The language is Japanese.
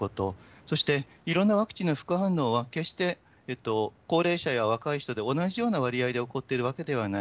そしていろんなワクチンの副反応は決して、高齢者や若い人で同じような割合で起こってるわけではない。